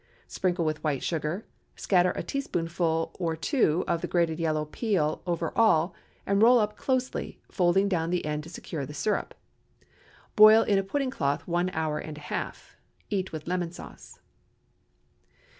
Sprinkle with white sugar; scatter a teaspoonful or two of the grated yellow peel over all and roll up closely, folding down the end to secure the syrup. Boil in a pudding cloth one hour and a half. Eat with lemon sauce.